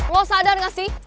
lo sadar gak sih